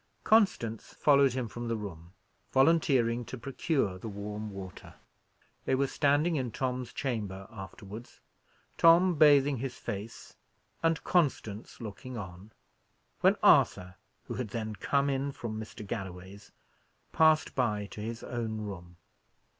Constance followed him from the room, volunteering to procure the warm water. They were standing in Tom's chamber afterwards, Tom bathing his face, and Constance looking on, when Arthur, who had then come in from Mr. Galloway's, passed by to his own room.